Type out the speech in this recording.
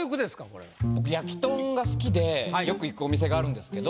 これは。が好きでよく行くお店があるんですけど。